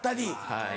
はい。